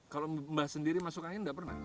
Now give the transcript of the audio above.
kalau mbah sendiri masuk angin gak pernah